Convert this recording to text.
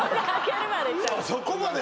そこまで！？